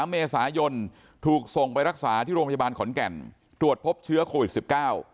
เมษายนถูกส่งไปรักษาที่โรงพยาบาลขอนแก่นตรวจพบเชื้อโควิดสิบเก้า